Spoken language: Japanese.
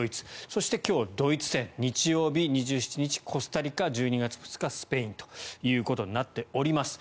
そして、今日はドイツ戦日曜日、２７日、コスタリカ１２月２日スペインということになっております。